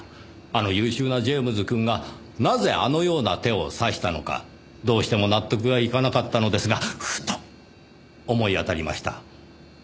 あの優秀なジェームズくんがなぜあのような手を指したのかどうしても納得がいかなかったのですがふと思い当たりました。